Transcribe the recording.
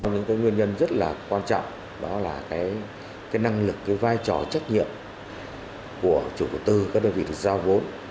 nên cái nguyên nhân rất là quan trọng đó là cái năng lực cái vai trò trách nhiệm của chủ quốc tư các đơn vị thực giao vốn